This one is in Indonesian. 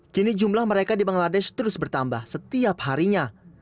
kini jumlah mereka di bangladesh terus bertambah setiap harinya